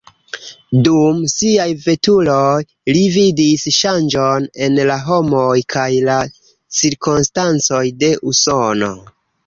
Dum siaj veturoj, li vidis ŝanĝon en la homoj kaj la cirkonstancoj de Usono.